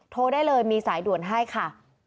โทรได้เลยมีสายด่วนให้ค่ะ